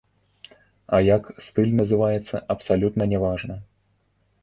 А як стыль называецца, абсалютна не важна.